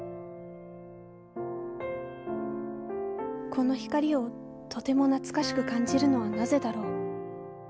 この光をとても懐かしく感じるのはなぜだろう。